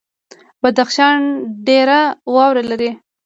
بدخشان ډیره واوره لري